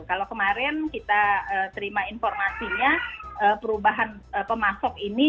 kalau kemarin kita terima informasinya perubahan pemasok ini